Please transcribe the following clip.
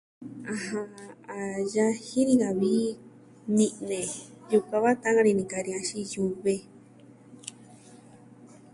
Ajan, a yaji ni ka vi mi'ne, yukuan va ta'an ini ni ka, axin yuve.